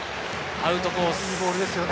アウトコース。